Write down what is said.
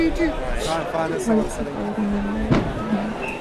وَلَحْمِ طَيْرٍ مِّمَّا يَشْتَهُونَ